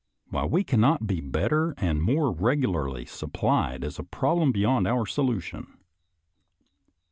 Why we cannot be better and more regularly supplied, is a problem beyond our solution.